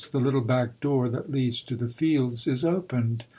The httle back door that leads to the fields is opened.